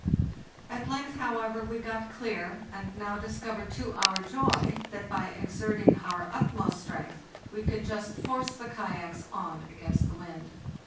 At length, however, we got clear, and now discovered, to our joy, that by exerting our utmost strength we could just force the kayaks on against the wind.